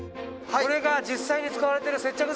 これが実際に使われている接着剤？